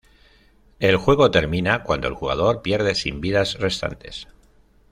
El juego termina cuando el jugador pierde sin vidas restantes.